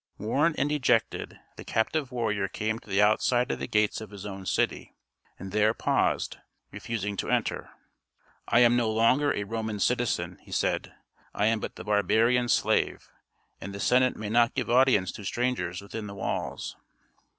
Worn and dejected, the captive warrior came to the outside of the gates of his own city, and there paused, refusing to enter. "I am no longer a Roman citizen," he said; "I am but the barbarians' slave, and the Senate may not give audience to strangers within the walls."